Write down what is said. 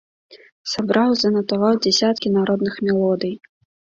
Сабраў і занатаваў дзесяткі народных мелодый.